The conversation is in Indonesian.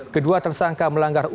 kedua tersangka melanggar undang